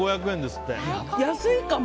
安いかも。